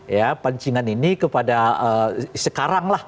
ya pancingan ini kepada sekarang lah